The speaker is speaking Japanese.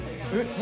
何？